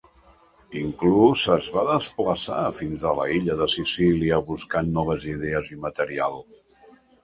Inclús es va desplaçar fins a l'illa de Sicília buscant noves idees i material.